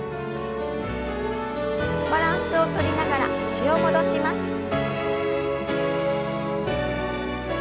バランスをとりながら脚を戻します。